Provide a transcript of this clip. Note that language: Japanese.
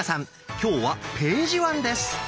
今日は「ページワン」です。